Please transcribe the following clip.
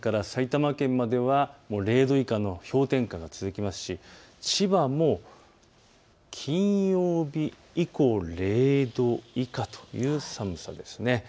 茨城県から埼玉県までは０度以下の氷点下が続きますし、千葉も金曜日以降０度以下という寒さです。